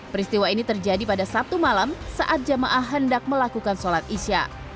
peristiwa ini terjadi pada sabtu malam saat jamaah hendak melakukan sholat isya